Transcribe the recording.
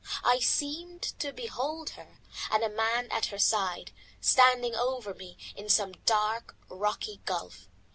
I seemed to behold her and a man at her side, standing over me in some dark, rocky gulf.